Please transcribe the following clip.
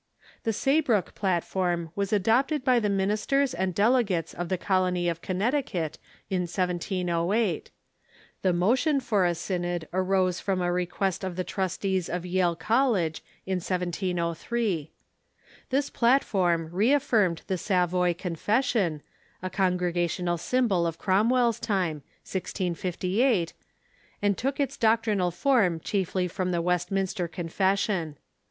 The Saybrook Platform was adopted by the ministers and delegates of the Colony of Connecticut in 1708. The motion for a synod arose from a request of the trustees of Yale Col lege in 1703. This platform reaffirmed the Savoy Confession, a Congregational symbol of Cromwell's time (1658), and took its doctrinal form chiefly from the Westminster Confession.